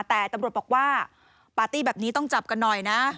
แต่ตำรวจบอกว่าปาร์ตี้แบบนี้ต้องจับกันหน่อยนะ